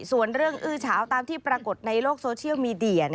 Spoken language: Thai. ส่วนเรื่องอื้อเฉาตามที่ปรากฏในโลกโซเชียลมีเดีย